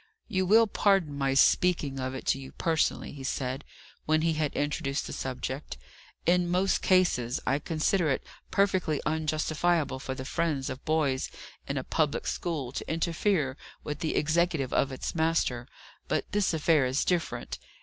"You will pardon my speaking of it to you personally," he said, when he had introduced the subject, "In most cases I consider it perfectly unjustifiable for the friends of boys in a public school to interfere with the executive of its master; but this affair is different.